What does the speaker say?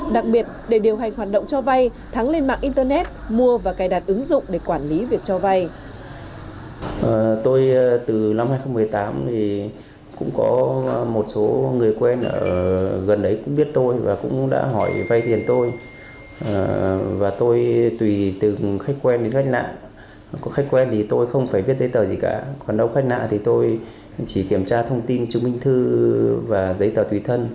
đặc biệt để điều hành hoạt động cho vay thắng lên mạng internet mua và cài đặt ứng dụng để quản lý việc cho vay